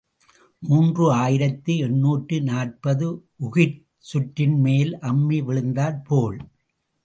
மூன்று ஆயிரத்து எண்ணூற்று நாற்பது உகிர்ச் சுற்றின்மேல் அம்மி விழுந்தாற் போல்.